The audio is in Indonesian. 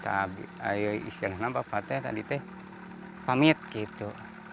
ayo istilahnya nampak pate tadi teh pamit gitu